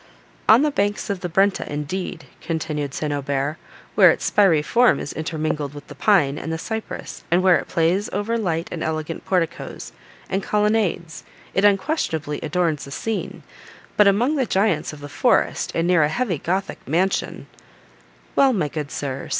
"On the banks of the Brenta, indeed," continued St. Aubert, "where its spiry form is intermingled with the pine, and the cypress, and where it plays over light and elegant porticos and colonnades, it, unquestionably, adorns the scene; but among the giants of the forest, and near a heavy gothic mansion—" "Well, my good sir," said M.